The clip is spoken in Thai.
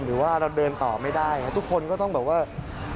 หรือว่าเราเดินต่อไม่ได้ทุกคนก็ต้องแบบว่า